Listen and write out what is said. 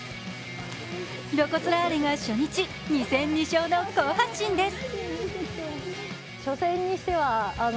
ロコ・ソラーレが初日２戦２勝の好発進です。